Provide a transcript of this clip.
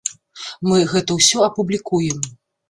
Мы гэта ўсё апублікуем.